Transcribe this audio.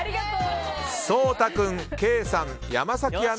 颯太君、ケイさん山崎アナ